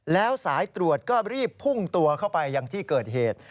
แล้วสายตรวจก็รีบพุ่งตัวเข้าไปยังที่เกิดเหตุ